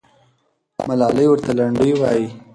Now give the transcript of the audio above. ملالۍ ورته لنډۍ وایي.